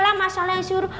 ya lah mas al yang nyuruh